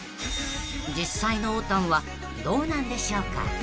［実際のおーたんはどうなんでしょうか？］